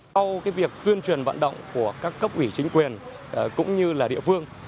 sau việc tuyên truyền vận động của các cấp ủy chính quyền cũng như địa phương